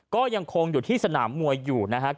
ก็ยังคงอยู่ที่สนามมวยอยู่นะครับ